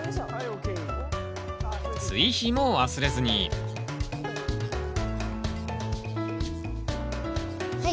追肥も忘れずにはい。